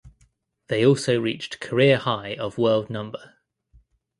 They also reached career high of World no.